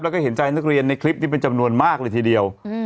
แล้วก็เห็นใจนักเรียนในคลิปนี้เป็นจำนวนมากเลยทีเดียว